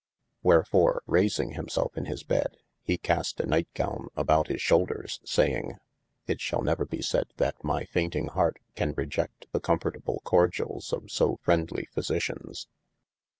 Wherfor raising him selfe in his bed, hee cast a night gowne about his shoulders saying : It shall never be sayd that my fainting hart can reje6l the comfortable Cordialles of so freendly phisitions.